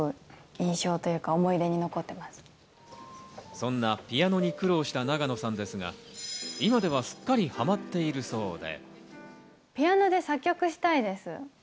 そんなピアノに苦労した永野さんですが、今ではすっかりはまっているそうで。